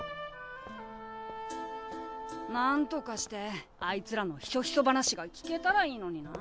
なんとかしてあいつらのひそひそ話が聞けたらいいのにな。